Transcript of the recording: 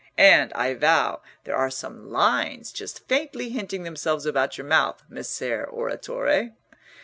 and, I vow, there are some lines just faintly hinting themselves about your mouth, Messer Oratore!